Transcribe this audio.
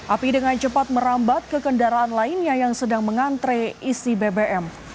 api dengan cepat merambat ke kendaraan lainnya yang sedang mengantre isi bbm